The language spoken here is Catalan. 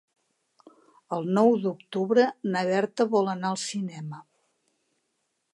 El nou d'octubre na Berta vol anar al cinema.